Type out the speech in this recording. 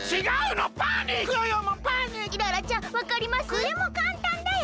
これもかんたんだよ。